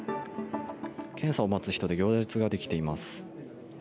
検査を待つ人で行列ができています。